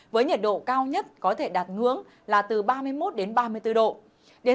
với nhiệt độ cao nhất có thể đạt ngưỡng là từ ba mươi một đến ba mươi bốn độ